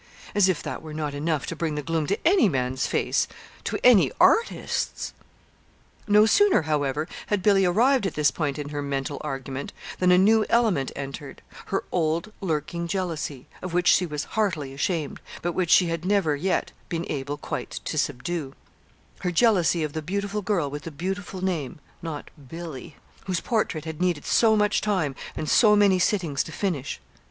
As if that were not enough to bring the gloom to any man's face to any artist's! No sooner, however, had Billy arrived at this point in her mental argument, than a new element entered her old lurking jealousy, of which she was heartily ashamed, but which she had never yet been able quite to subdue; her jealousy of the beautiful girl with the beautiful name (not Billy), whose portrait had needed so much time and so many sittings to finish.